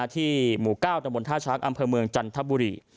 ที่หมู่เก้าตะบนท่าชักอำเภอเมืองจันทบุรี